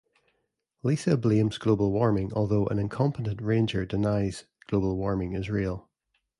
Lisa blames global warming, although an incompetent ranger denies that global warming is real.